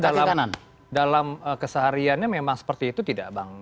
dalam kesehariannya memang seperti itu tidak bang